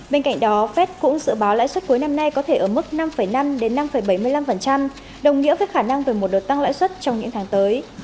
bên cạnh đó fed cũng dự báo lãi suất cuối năm nay có thể ở mức năm năm đến năm bảy mươi năm đồng nghĩa với khả năng về một đợt tăng lãi suất trong những tháng tới